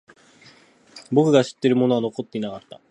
僕が知っているものは残っていなかった。